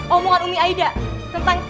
omongan umi aida tentang cewek yang gak baik